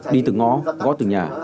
đi từng ngõ gót từng nhà